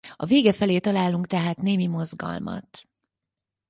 A vége felé találunk tehát némi mozgalmat.